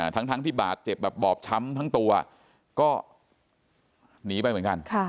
ทั้งทั้งพี่บาดเจ็บแบบบอบช้ำทั้งตัวก็